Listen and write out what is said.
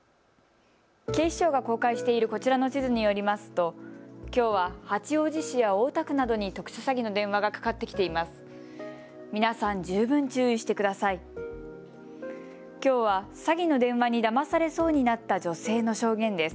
警視庁が公開しているこちらの地図によりますときょうは八王子市や大田区などに特殊詐欺の電話がかかってきています。